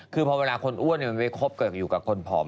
คือพอเวลาคนอ้วนมันไปคบอยู่กับคนผอม